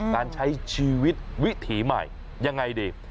การใช้ชีวิตวิถีใหม่ยังไงดี